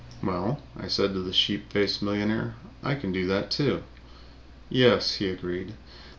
"Well," I said to the sheep faced millionaire, "I can do that, too." "Yes," he agreed.